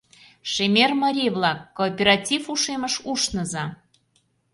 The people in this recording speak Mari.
ШЕМЕР МАРИЙ-ВЛАК, КООПЕРАТИВ УШЕМЫШ УШНЫЗА!